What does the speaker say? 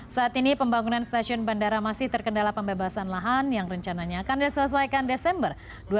saat ini pembangunan stasiun bandara masih terkendala pembebasan lahan yang rencananya akan diselesaikan desember dua ribu dua puluh